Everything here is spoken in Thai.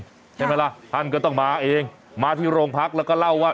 ใช่ไหมล่ะท่านก็ต้องมาเองมาที่โรงพักแล้วก็เล่าว่า